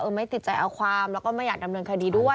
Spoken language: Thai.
ไม่ติดใจเอาความแล้วก็ไม่อยากดำเนินคดีด้วย